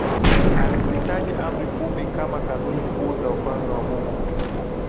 alizitaja Amri kumi kama kanuni kuu za Ufalme wa Mungu